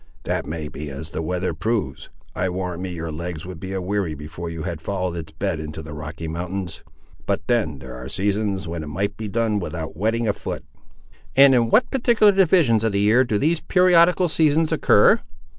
"That may be as the weather proves. I warrant me your legs would be a weary before you had followed its bed into the Rocky Mountains; but then there are seasons when it might be done without wetting a foot." "And in what particular divisions of the year do these periodical seasons occur?"